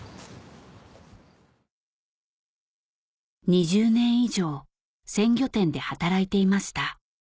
２０年以上鮮魚店で働いていました